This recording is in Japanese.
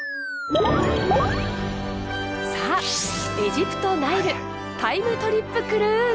さあエジプト・ナイルタイムトリップクルーズ！